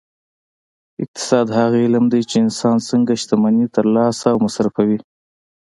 اقتصاد هغه علم دی چې انسان څنګه شتمني ترلاسه او مصرفوي